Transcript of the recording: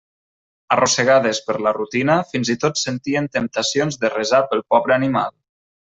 Arrossegades per la rutina, fins i tot sentien temptacions de resar pel pobre animal.